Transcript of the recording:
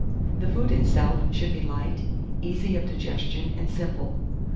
The food itself should be light, easy of digestion, and simple.